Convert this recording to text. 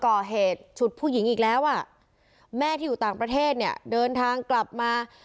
ก่อเหตุฉุดผู้หญิงอีกแล้วอ่ะแม่ที่อยู่ต่างประเทศเนี่ยเดินทางกลับมา